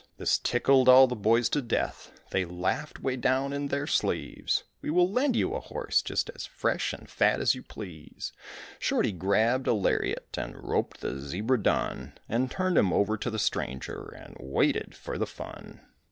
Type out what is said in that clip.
This tickled all the boys to death, they laughed way down in their sleeves, "We will lend you a horse just as fresh and fat as you please." Shorty grabbed a lariat and roped the Zebra Dun And turned him over to the stranger and waited for the fun.